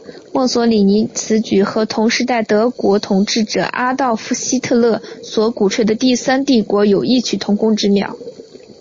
墨索里尼此举和同时代德国统治者阿道夫希特勒所鼓吹的第三帝国有异曲同工之妙。